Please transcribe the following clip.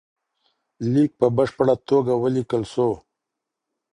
ليک په بشپړه توګه وليکل سو.